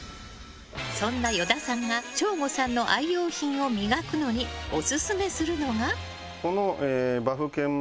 そんな依田さんが省吾さんの愛用品を磨くのにオススメするのが。